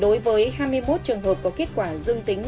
đối với hai mươi một trường hợp có kết quả dương tính